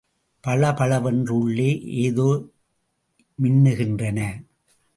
பளபளவென்று உள்ளே ஏதோ மின்னுகின்றன.